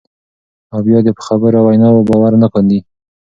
او بیا دې په خبرو او ویناوو باور نه کاندي،